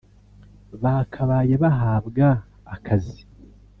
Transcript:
bakabaye bahabwa akazi”